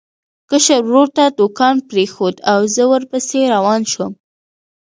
کشر ورور ته دوکان پرېښود او زه ورپسې روان شوم.